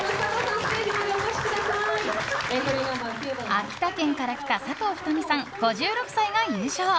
秋田県から来た佐藤ひとみさん、５６歳が優勝！